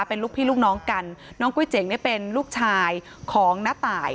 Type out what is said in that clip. เป็นลูกพี่ลูกน้องกันน้องกุ้ยเจ๋งเนี่ยเป็นลูกชายของน้าตาย